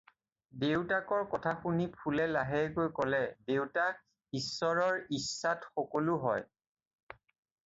"দেউতাকৰ কথা শুনি ফুলে লাহেকৈ ক'লে- "দেউতা, ঈশ্বৰৰ ইচ্ছাত সকলো হয়।"